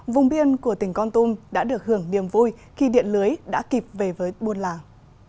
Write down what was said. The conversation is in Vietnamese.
vùng biên của tỉnh con tum đã được hưởng niềm vui khi điện lưới đã kịp về với buôn làng